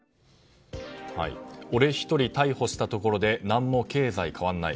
俺１人逮捕したところで何も経済変わらない。